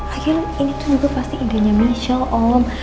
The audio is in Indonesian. akhirnya ini tuh juga pasti idenya michel om